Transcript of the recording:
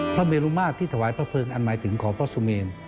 พระเมรุมาตรที่ถวายพระเพิงอันหมายถึงขอพระสุเมน